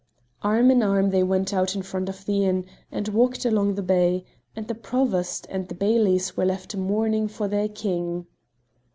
Arm in arm they went out in front of the inn and walked along the bay, and the Provost and the Bailies were left mourning for their king.